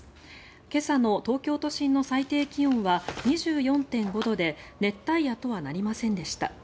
今朝の東京都心の最低気温は２４．５度で熱帯夜とはなりませんでした。